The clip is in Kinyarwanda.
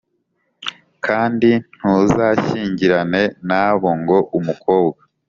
Kandi ntuzashyingirane na bo ngo umukobwa